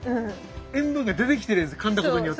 塩分が出てきているかんだことによって。